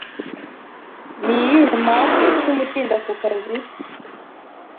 Niyihe mpamvu ituma utinda ku kazi?